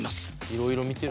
いろいろ見てる。